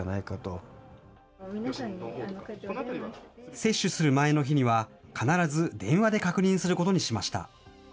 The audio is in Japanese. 接種する前の日には、必ず電話で確認することにしました。